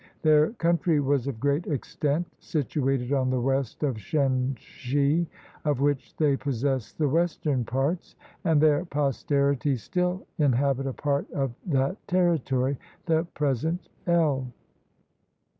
Their country was of great extent, situated on the west of Shen se, of which they possessed the western parts; and their posterity still inhabit a part of that territory, the present Ele.